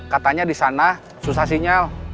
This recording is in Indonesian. katanya di sana susah sinyal